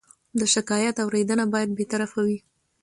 د شکایت اورېدنه باید بېطرفه وي.